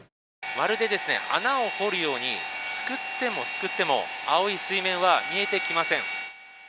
まるでですね穴を掘るようにすくってもすくっても青い水面は見えてきません。